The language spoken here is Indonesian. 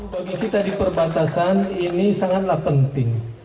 bagi kita di perbatasan ini sangatlah penting